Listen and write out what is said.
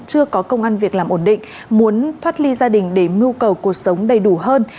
chưa có công an việc làm ổn định muốn thoát ly gia đình để mưu cầu cuộc sống đầy đủ hơn